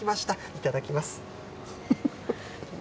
いただきます。